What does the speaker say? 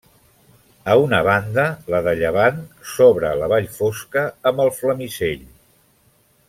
A una banda, la de llevant, s'obre la Vall Fosca, amb el Flamisell.